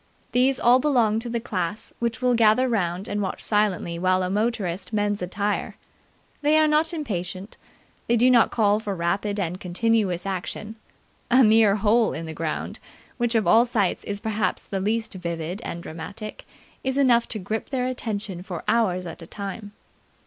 These all belonged to the class which will gather round and watch silently while a motorist mends a tyre. They are not impatient. They do not call for rapid and continuous action. A mere hole in the ground, which of all sights is perhaps the least vivid and dramatic, is enough to grip their attention for hours at a time.